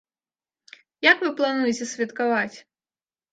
Як вы плануеце святкаваць?